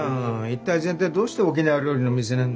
一体全体どうして沖縄料理の店なんだよ？